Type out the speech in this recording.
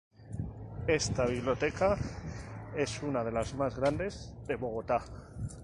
Esta Biblioteca es una de las más grandes de Bogotá.